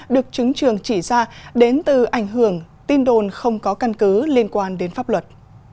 được trứng trường chỉ ra đến từ ảnh hưởng tin đồn không có căn cứ liên quan đến pháp luật